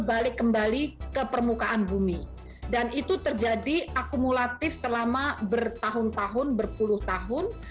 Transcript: balik kembali ke permukaan bumi dan itu terjadi akumulatif selama bertahun tahun berpuluh tahun